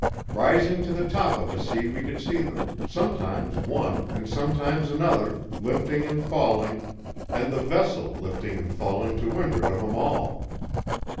Rising to the top of a sea we could see them, sometimes one and sometimes another, lifting and falling, and the vessel lifting and falling to wind'ard of them all.